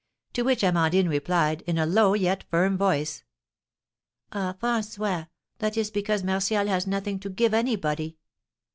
To which Amandine replied, in a low yet firm voice: "Ah, François, that is because Martial has nothing to give anybody."